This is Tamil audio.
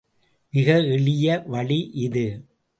மிக எளிய வழி இது.